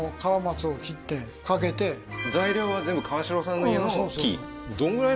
材料は全部川代さんの家の木？